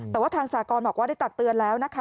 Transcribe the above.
แต่ว่าทางสากรบอกว่าได้ตักเตือนแล้วนะคะ